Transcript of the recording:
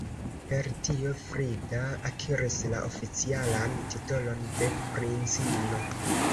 Per tio Frida akiris la oficialan titolon de princino.